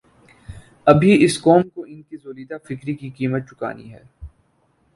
ابھی اس قوم کوان کی ژولیدہ فکری کی قیمت چکانی ہے۔